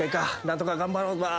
何とか頑張ろう５６分。